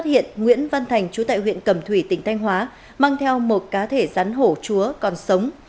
phát hiện nguyễn văn thành chú tại huyện cầm thủy tỉnh thanh hóa mang theo một cá thể rắn hổ chúa còn sống